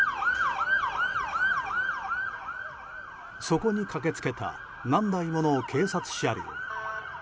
そこに駆け付けた何台もの警察車両。